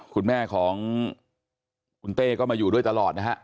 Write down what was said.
คุณแม่ของคุณเต้ก็มาอยู่ด้วยตลอดนะฮะ